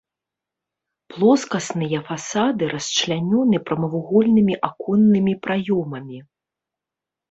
Плоскасныя фасады расчлянёны прамавугольнымі аконнымі праёмамі.